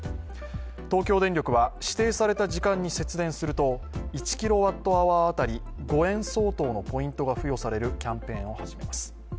東京電力は指定された時間に節電すると１キロワットアワー当たり５円相当のポイントが付与されるキャンペーンを始めます。